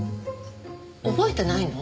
覚えてないの？